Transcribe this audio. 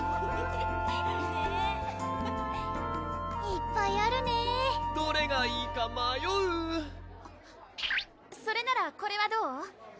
アハハハハいっぱいあるねどれがいいかまようそれならこれはどう？